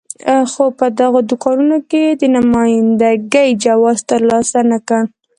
خو په دغو دوکانونو کې یې د نماینده ګۍ جواز ترلاسه نه کړ.